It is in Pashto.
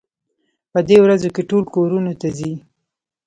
په دې ورځو کې ټول کورونو ته ځي.